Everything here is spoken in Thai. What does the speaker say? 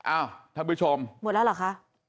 อ้าวท่านผู้ชมหมดแล้วเหรอคะ